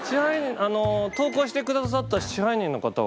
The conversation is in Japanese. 投稿してくださった支配人の方は？